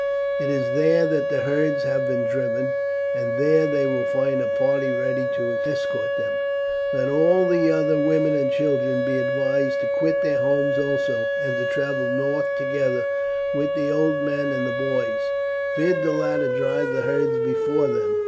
It is there that the herds have been driven, and there they will find a party ready to escort them. Let all the other women and children be advised to quit their homes also, and to travel north together with the old men and boys. Bid the latter drive the herds before them.